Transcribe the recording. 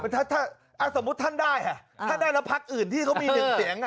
ถ้าสมมุติท่านได้ท่านได้รับภักดิ์อื่นที่เขามีหนึ่งเสียง